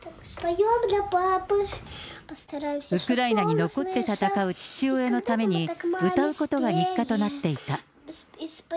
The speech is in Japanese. ウクライナに残って戦う父親のために、歌うことが日課となっていた。